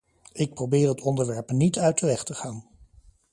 Ik probeer het onderwerp niet uit de weg te gaan.